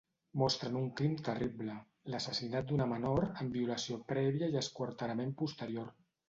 Mostren un crim terrible, l'assassinat d'una menor amb violació prèvia i esquarterament posterior.